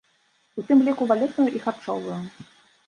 У тым ліку валютную і харчовую.